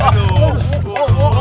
lalu dia mau ikut